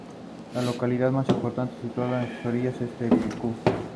La localidad más importante situada a sus orillas es Temriuk.